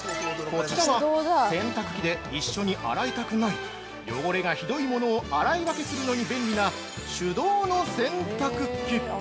◆こちらは洗濯機で一緒に洗いたくない汚れがひどいものを洗い分けするのに便利な手動の洗濯機。